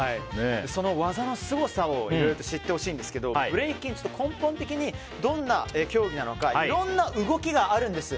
その技のすごさをいろいろと知ってほしいんですがブレイキン根本的にどんな競技なのかいろんな動きがあるんです。